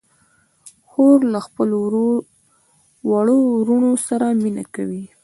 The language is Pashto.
خور له خپلو وړو وروڼو سره مینه کوي.